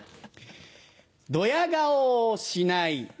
どや顔をしない。